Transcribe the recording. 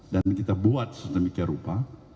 dan kita buat sedemikian rupa